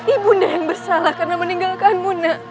ibu bunda yang bersalah karena meninggalkan bunda